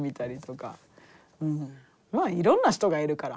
まあいろんな人がいるから。